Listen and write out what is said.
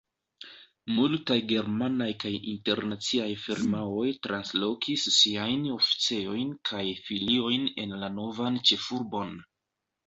Multaj germanaj kaj internaciaj firmaoj translokis siajn oficejojn kaj filiojn en la novan ĉefurbon.